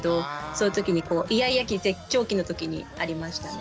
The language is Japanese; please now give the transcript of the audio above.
そういう時にイヤイヤ期絶頂期の時にありましたね。